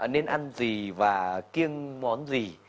nên ăn gì và kiêng món gì